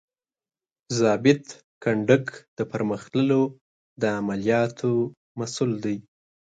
ضابط کنډک د پرمخ تللو د عملیاتو مسؤول دی.